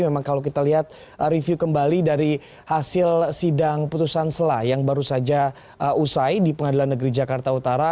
memang kalau kita lihat review kembali dari hasil sidang putusan selah yang baru saja usai di pengadilan negeri jakarta utara